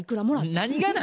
何がな？